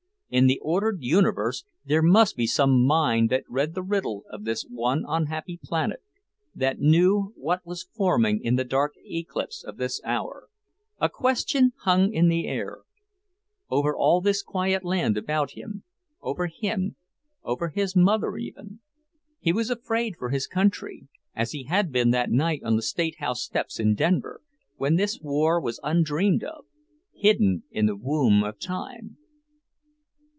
In the ordered universe there must be some mind that read the riddle of this one unhappy planet, that knew what was forming in the dark eclipse of this hour. A question hung in the air; over all this quiet land about him, over him, over his mother, even. He was afraid for his country, as he had been that night on the State House steps in Denver, when this war was undreamed of, hidden in the womb of time.